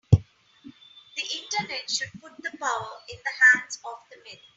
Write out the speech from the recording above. The Internet should put the power in the hands of the many